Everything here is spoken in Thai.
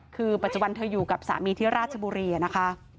คือปัจจุบันเธออยู่กับสามีที่ราชบุรีนะคะ